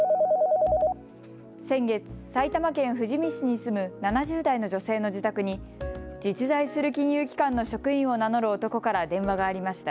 先月、埼玉県富士見市に住む７０代の女性の自宅に実在する金融機関の職員を名乗る男から電話がありました。